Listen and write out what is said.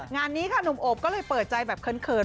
งานนี้ค่ะหนุ่มโอบก็เลยเปิดใจแบบเขิน